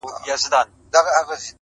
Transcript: بې موجبه خوار کړېږې او زورېږي-